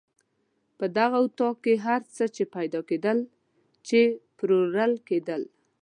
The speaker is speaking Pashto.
په دغه اطاق کې هر هغه څه پیدا کېدل چې پلورل کېدل.